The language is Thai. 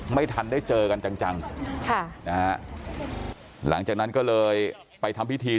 ไม่ทันได้เจอกันจังค่ะนะฮะหลังจากนั้นก็เลยไปทำพิธี